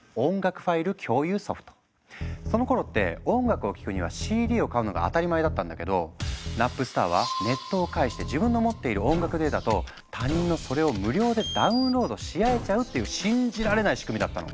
そのころって音楽を聴くにはＣＤを買うのが当たり前だったんだけどナップスターはネットを介して自分の持っている音楽データと他人のそれを無料でダウンロードし合えちゃうっていう信じられない仕組みだったの！